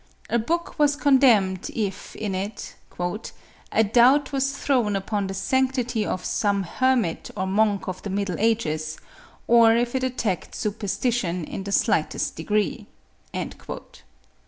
A book was condemned, if) in it, " a doubt was thrown upon the sanctity of some hermit or 216 MARIA THERESA. monk of the middle ages, or if it attacked superstition, in the slightest degree."